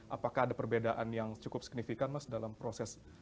apakah ada perbedaan yang cukup signifikan mas dalam proses